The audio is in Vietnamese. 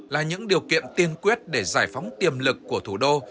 là những điều kiện tiên quyết để giải phóng tiềm lực của thủ đô